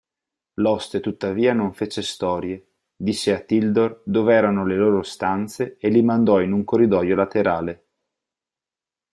L'oste tuttavia non fece storie, disse a Tildor dove erano le loro stanze e li mandò in un corridoio laterale.